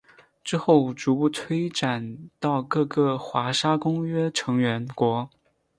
之后逐步推展到各个华沙公约成员国。